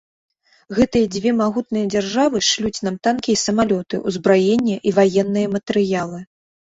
Гэтыя дзве магутныя дзяржавы шлюць нам танкі і самалёты, узбраенне і ваенныя матэрыялы.